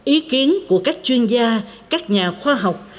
ý kiến của các chuyên gia các nhà khoa học